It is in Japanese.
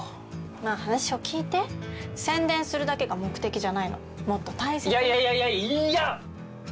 まあ話を聞いて宣伝するだけが目的じゃないのもっと大切いやいやいや！